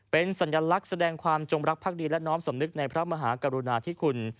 เป็นสัญลักษณ์แสดงความจงรักภักดีและน้อมสำนึกในพระมหากรุณาธิคุณ